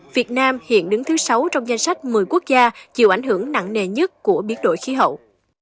việt nam hiện đứng thứ sáu trong danh sách một mươi quốc gia chịu ảnh hưởng nặng nề nhất của biến đổi khí hậu